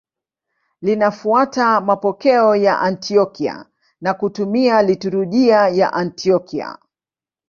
Linafuata mapokeo ya Antiokia na kutumia liturujia ya Antiokia.